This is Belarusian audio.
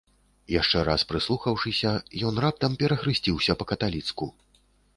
Яшчэ раз прыслухаўшыся, ён раптам перахрысціўся па-каталіцку.